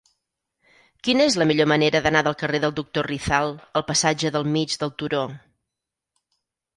Quina és la millor manera d'anar del carrer del Doctor Rizal al passatge del Mig del Turó?